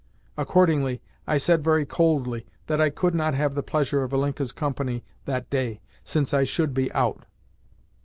Accordingly, I said very coldly that I could not have the pleasure of Ilinka's company that day, since I should be out.